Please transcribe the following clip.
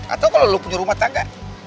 atau kalau lo punya rumah tangga